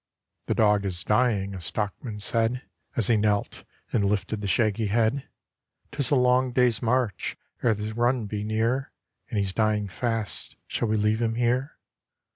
'The dog is dying,' a stockman said, As he knelt and lifted the shaggy head; ''Tis a long day's march ere the run be near, And he's dying fast; shall we leave him here?